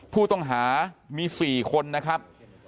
ผู้ต้องหามี๔คนนะครับ